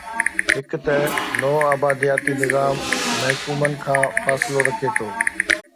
هڪ ته نوآبادياتي نظام محکومن کان فاصلو رکي ٿو.